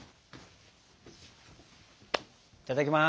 いただきます。